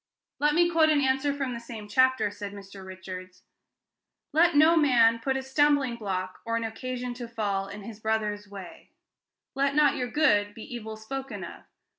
"Let me quote an answer from the same chapter," said Mr. Richards. "'Let no man put a stumbling block, or an occasion to fall, in his brother's way: let not your good be evil spoken of.